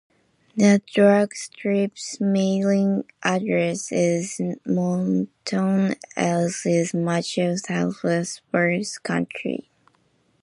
The drag strip's mailing address is Mohnton, as is much of southwest Berks County.